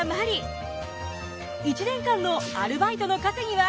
１年間のアルバイトの稼ぎは？